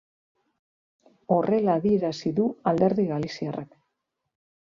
Horrela adierazi du alderdi galiziarrak.